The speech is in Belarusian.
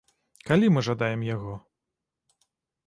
Калі мы жадаем яго?